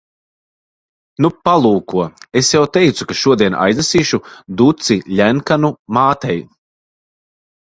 Nu, palūko. Es jau teicu, ka šodien aiznesīšu duci Ļenkanu mātei.